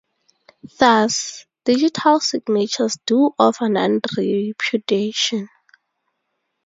Thus, digital signatures do offer non-repudiation.